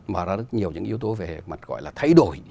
mở ra rất nhiều những yếu tố về mặt gọi là thay đổi